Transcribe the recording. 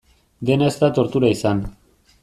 Dena ez da tortura izan.